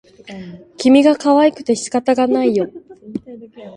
君がかわいくて仕方がないよ